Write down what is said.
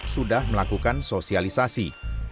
sudah melakukan sosialisasi